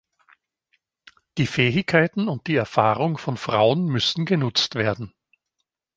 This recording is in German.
Die Fähigkeiten und die Erfahrung von Frauen müssen genutzt werden.